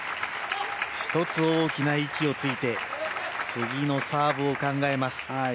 １つ、大きな息をついて次のサーブを考えます。